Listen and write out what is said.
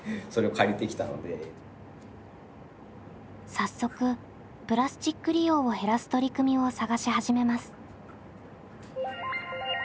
早速プラスチック利用を減らす取り組みを探し始めます。